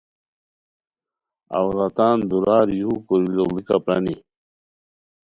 عورتان دُورار یو کوری لوڑیکہ پرانی